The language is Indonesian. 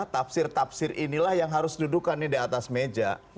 tafsir tafsir inilah yang harus dudukan di atas meja